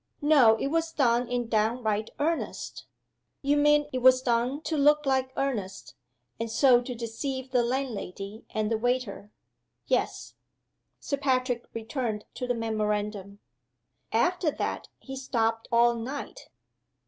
"No. It was done in downright earnest." "You mean it was done to look like earnest, and so to deceive the landlady and the waiter?" "Yes." Sir Patrick returned to the memorandum. "'After that, he stopped all night.